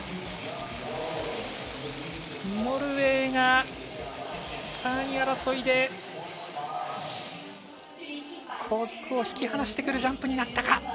ノルウェーが３位争いで後続を引き離してくるジャンプになったか。